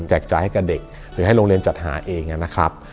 จ่ายให้กับเด็กหรือให้โรงเรียนจัดหาเองนะครับ